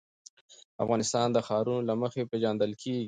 افغانستان د ښارونه له مخې پېژندل کېږي.